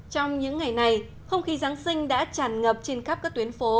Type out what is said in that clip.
trong những ngày này không khí giáng sinh đã tràn ngập trên khắp các tuyến phố